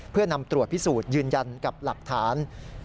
เพื่อนำตรวจพิสูจน์ยืนยันกับหลักฐาน